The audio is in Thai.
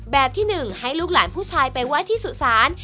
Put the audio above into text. แบบที่๑ให้ลูกหลานผู้ชายไปไหว้ที่สุสาน